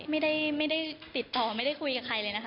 ไม่ได้ติดต่อไม่ได้คุยกับใครเลยนะคะ